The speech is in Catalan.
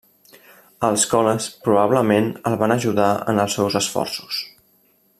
Els Coles probablement el van ajudar en els seus esforços.